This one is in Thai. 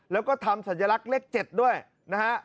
แล้วก็ทำสัญลักษณ์เลข๗ด้วยนะฮะ